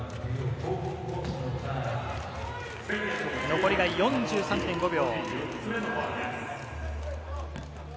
残りが４３．５秒。